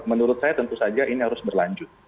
menurut saya tentu saja ini harus berlanjut